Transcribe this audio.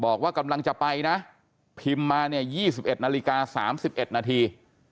บอกว่ากำลังจะไปนะพิมพ์มาเนี่ย๒๑นาฬิกา๓๑นาที